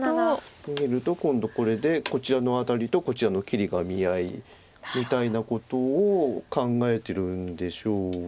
逃げると今度これでこちらのアタリとこちらの切りが見合いみたいなことを考えてるんでしょうけれど。